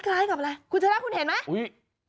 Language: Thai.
คล้ายกับอะไรคุณชนะคุณเห็นไหม